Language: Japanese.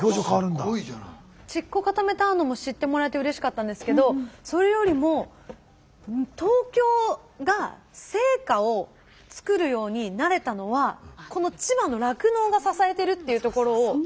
チッコカタメターノも知ってもらえてうれしかったんですけどそれよりも東京が製菓を作るようになれたのはこの千葉の酪農が支えてるっていうところをやっぱり皆さん。